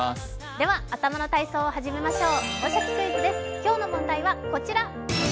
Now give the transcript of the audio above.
では頭の体操を始めましょう。